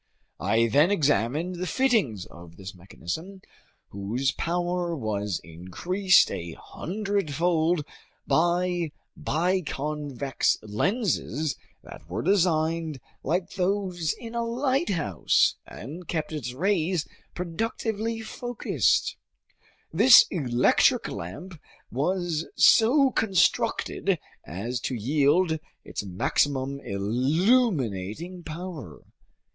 I then examined the fittings of this mechanism, whose power was increased a hundredfold by biconvex lenses that were designed like those in a lighthouse and kept its rays productively focused. This electric lamp was so constructed as to yield its maximum illuminating power.